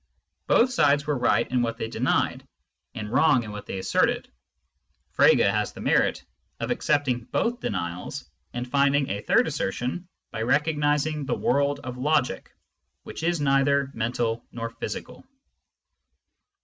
Both sides were right in what they denied, and wrong in what they asserted ; Frege has the merit of accepting both denials, and finding a third assertion by recognising the world of logic,^which is neither mental nor physical.